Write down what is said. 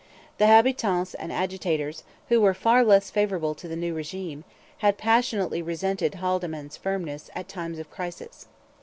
The habitants and agitators, who were far less favourable to the new regime, had passionately resented Haldimand's firmness at times of crisis.